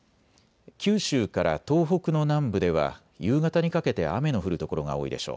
九州から東北の南部では夕方にかけて雨の降る所が多いでしょう。